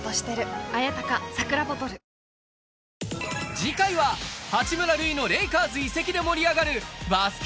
次回は八村塁のレイカーズ移籍で盛り上がるバスケ